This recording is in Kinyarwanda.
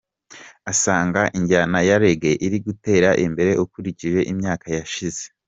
Asanga injyana ya Reggae iri gutera imbere ukurikije imyaka yashize.